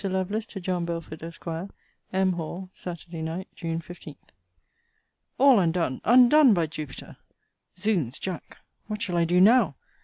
LOVELACE, TO JOHN BELFORD, ESQ. M. HALL, SAT. NIGHT, JUNE 15. All undone, undone, by Jupiter! Zounds, Jack, what shall I do now!